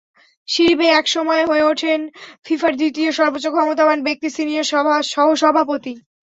সিঁড়ি বেয়ে একসময় হয়ে ওঠেন ফিফার দ্বিতীয় সর্বোচ্চ ক্ষমতাবান ব্যক্তি, সিনিয়র সহসভাপতি।